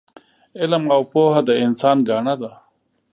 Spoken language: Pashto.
علم او پوه د انسان ګاڼه ده